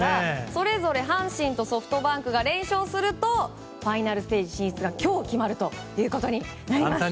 それぞれ阪神とソフトバンクが連勝するとファイナルステージ進出が今日決まることになります。